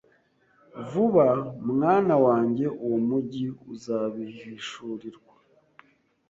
Vuba mwana wanjye uwo mujyi uzabihishurirwa